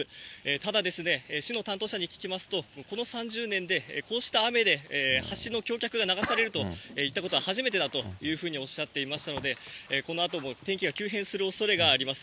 ただですね、市の担当者に聞きますと、この３０年でこうした雨で橋の橋脚が流されるといったことは初めてだというふうにおっしゃっていましたので、このあとも天気が急変するおそれがあります。